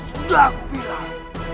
sudah aku bilang